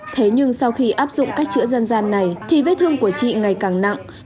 thế nhưng sau khi áp dụng cách chữa dân gian này thì vết thương của chị ngày càng nặng